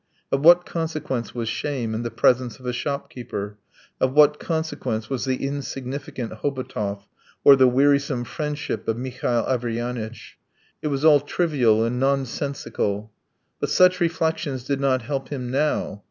Of what consequence was shame in the presence of a shopkeeper, of what consequence was the insignificant Hobotov or the wearisome friendship of Mihail Averyanitch? It was all trivial and nonsensical. But such reflections did not help him now.